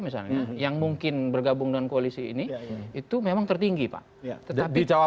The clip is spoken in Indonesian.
misalnya yang mungkin bergabung dengan koalisi ini itu memang tertinggi pak ya tetapi jawab